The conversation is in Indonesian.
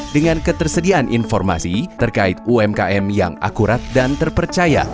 dengan ketersediaan informasi terkait umkm yang akurat dan terpercaya